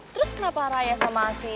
terus kenapa raya sama si